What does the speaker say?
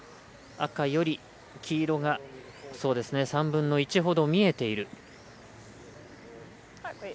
赤より黄色が３分の１ほど見えている。